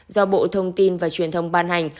do bộ thông tin và truyền thông ban hành